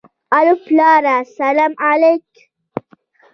الو پلاره سلام عليک.